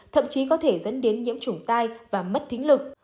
thậm chí có thể dẫn đến nhiễm chủng tai và mất thính lực